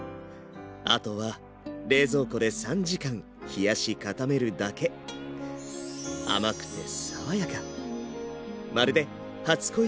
あとは冷蔵庫で３時間冷やし固めるだけなんてね。